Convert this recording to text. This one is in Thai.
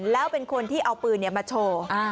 แล้วเป็นคนที่เอาปืนมาโชว์